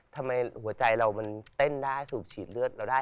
หัวใจเรามันเต้นได้สูบฉีดเลือดเราได้